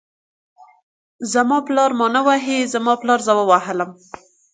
زما پالر ما نه وهي، زما پالر زه ووهلم.